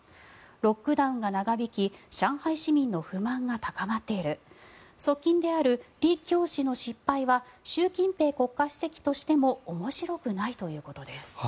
ロックダウンが長引き上海市民の不満が高まっている側近であるリ・キョウ氏の失敗は習近平国家主席としても面白くないということです。